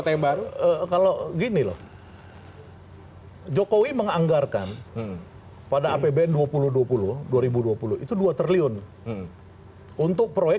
tembar kalau gini loh jokowi menganggarkan pada apbn dua ribu dua puluh dua ribu dua puluh itu dua triliun untuk proyek